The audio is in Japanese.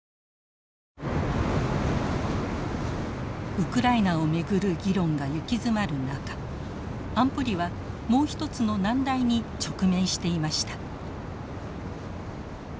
ウクライナを巡る議論が行き詰まる中安保理はもうひとつの難題に直面していました。